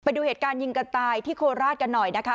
ดูเหตุการณ์ยิงกันตายที่โคราชกันหน่อยนะคะ